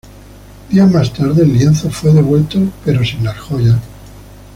Dias más tarde el lienzo fue devuelto pero sin las joyas.